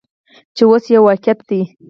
چې اوس یو واقعیت دی.